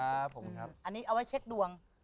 อันนี้เอาไว้เช็คดวง